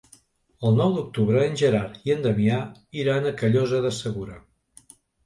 El nou d'octubre en Gerard i en Damià iran a Callosa de Segura.